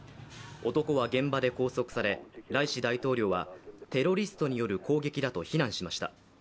男は現場で拘束されライシ大統領はテロリストによる攻撃だと非難しました。